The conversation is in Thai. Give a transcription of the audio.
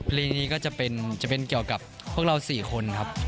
ลีนี้ก็จะเป็นเกี่ยวกับพวกเรา๔คนครับ